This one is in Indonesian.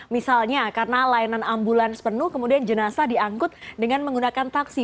misalnya karena layanan ambulans penuh kemudian jenasa diangkut dengan menggunakan taksi